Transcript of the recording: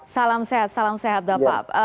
salam sehat salam sehat bapak